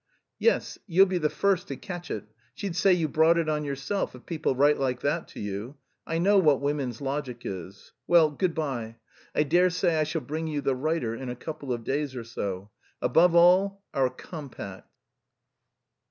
"Yes, you'll be the first to catch it; she'd say you brought it on yourself if people write like that to you. I know what women's logic is. Well, good bye. I dare say I shall bring you the writer in a couple of days or so. Above all, our compact!"